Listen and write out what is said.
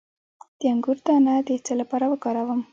د انګور دانه د څه لپاره وکاروم؟